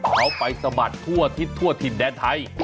เขาไปสะบัดทั่วทิศทั่วถิ่นแดนไทย